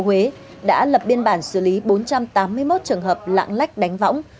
huế đã lập biên bản xử lý bốn trăm tám mươi một trường hợp lạng lách đánh võng